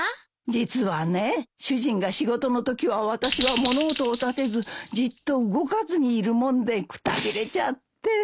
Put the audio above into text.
実はね主人が仕事のときは私は物音を立てずじっと動かずにいるもんでくたびれちゃって。